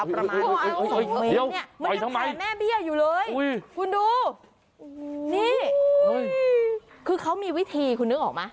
คุณดูนี่คือเขามีวิธีคุณนึกออกมะ